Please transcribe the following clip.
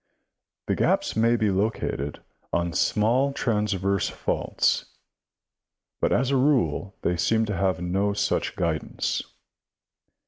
The gaps may be located on small transverse faults, but as a rule they seem to have no such guidance.